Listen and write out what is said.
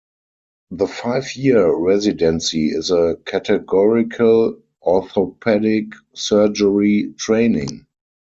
The five-year residency is a categorical orthopedic surgery training.